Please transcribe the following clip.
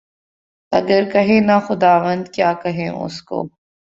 اگر کہیں نہ خداوند، کیا کہیں اُس کو؟